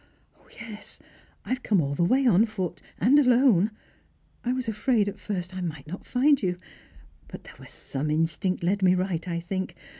" Yes ; I have come all the way on toot, and alone. I was afraid at first that I might not find you ; but there was some instinct led me right, I think.